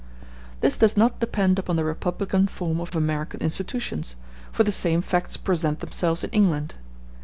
This does not depend upon the republican form of American institutions, for the same facts present themselves in England.